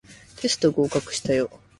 テスト合格したよ